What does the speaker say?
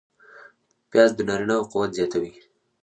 پیاز د نارینه و قوت زیاتوي